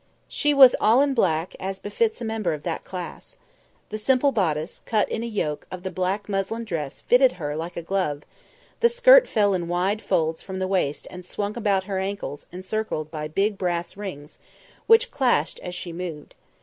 She was all in black, as befits a member of that class. The simple bodice, cut in a yoke, of the black muslin dress fitted her like a glove; the skirt fell in wide folds from the waist and swung about her ankles encircled by big brass rings, which clashed as she moved.